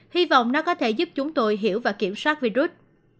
hy vọng nó có thể giúp chúng tôi hiểu và kiểm soát virus